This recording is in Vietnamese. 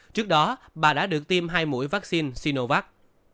trước đó bà đã được tiêm hai mũi vaccine sinovac